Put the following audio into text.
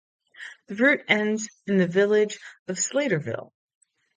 The route ends in the village of Slatersville.